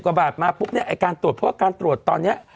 กว่าบาทมาปุ๊บเนี่ยไอ้การตรวจเพราะว่าการตรวจตอนนี้